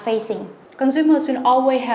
phá hủy quyền lãnh đạo